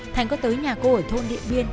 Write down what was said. thành có tới nhà cô ở thôn điện biên